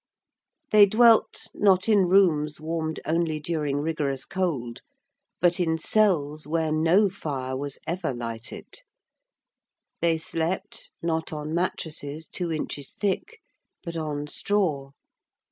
They dwelt, not in rooms warmed only during rigorous cold, but in cells where no fire was ever lighted; they slept, not on mattresses two inches thick, but on straw.